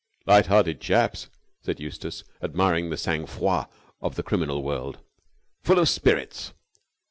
"Light hearted chaps!" said Eustace, admiring the sang froid of the criminal world. "Full of spirits!"